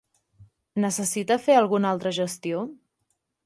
Necessita fer alguna altra gestió?